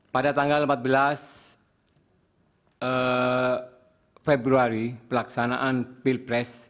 pada tanggal empat belas februari pelaksanaan pilpres